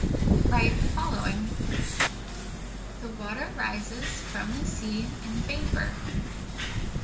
Write the following: The water rises from the sea in vapor.